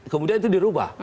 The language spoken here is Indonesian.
kemudian itu dirubah